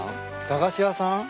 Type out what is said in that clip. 駄菓子屋さん？